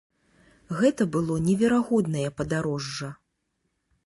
Гэта было неверагоднае падарожжа.